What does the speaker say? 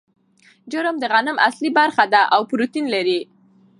جرم د غنم اصلي برخه ده او پروټین لري.